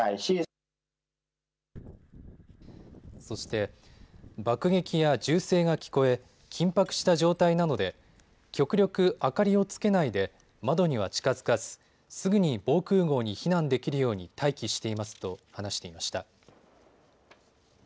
そして、爆撃や銃声が聞こえ緊迫した状態なので極力、明かりをつけないで窓には近づかずすぐに防空ごうに避難できるように待機していますと話していました。